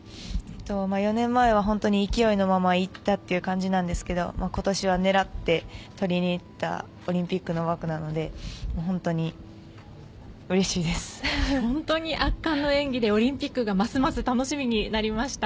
４年前は勢いのままいったという感じなんですけど今年は狙って、とりにいったオリンピックの枠なので本当に圧巻の演技でオリンピックがますます楽しみになりました。